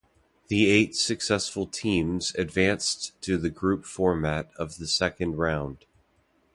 The eight successful teams advanced to the group format of the second round.